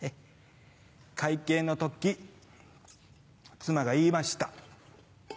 会計の時妻が言いました。